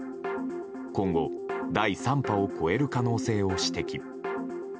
今後、第３波を超える可能性を指摘。